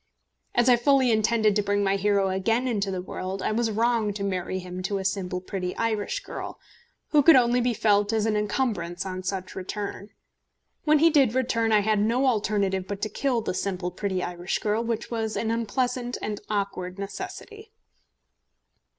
As I fully intended to bring my hero again into the world, I was wrong to marry him to a simple pretty Irish girl, who could only be felt as an encumbrance on such return. When he did return I had no alternative but to kill the simple pretty Irish girl, which was an unpleasant and awkward necessity.